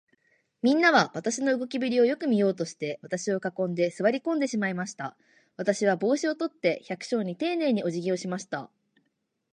みんなは、私の動きぶりをよく見ようとして、私を囲んで、坐り込んでしまいました。私は帽子を取って、百姓にていねいに、おじぎをしました。